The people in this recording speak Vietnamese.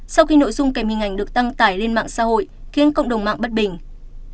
sau khi nội dung kèm hình ảnh được đăng tải lên mạng xã hội khiến cộng đồng mạng bất bình